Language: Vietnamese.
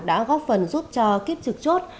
đã góp phần giúp cho kiếp trực chốt